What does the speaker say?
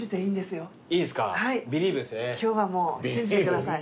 今日はもう信じてください。